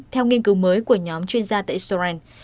theo nghiên cứu mới của nhóm chuyên gia tại israel